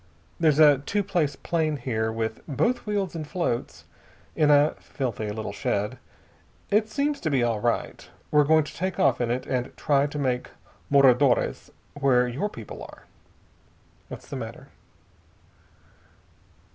There's a two place plane here with both wheels and floats, in a filthy little shed. It seems to be all right. We're going to take off in it and try to make Moradores, where your people are. What's the matter?"